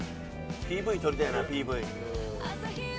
ＰＶ撮りたいなＰＶ。